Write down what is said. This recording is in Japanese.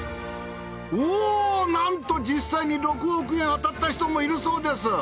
おぉなんと実際に６億円当たった人もいるそうです。